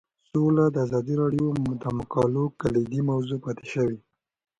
سوله د ازادي راډیو د مقالو کلیدي موضوع پاتې شوی.